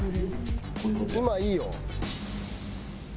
今いいよ。